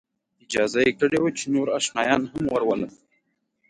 اجازه یې کړې وه چې نور آشنایان هم ورولم.